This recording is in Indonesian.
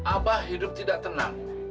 abah hidup tidak tenang